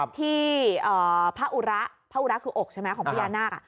ที่พระอุระพระอุระคืออกใช่ไหมของพญานาค